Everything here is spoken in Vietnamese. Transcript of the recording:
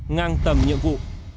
ngang tầm nhiệm vụ